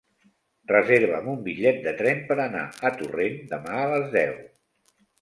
Reserva'm un bitllet de tren per anar a Torrent demà a les deu.